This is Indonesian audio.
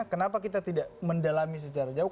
kenapa kita tidak mendalami secara jauh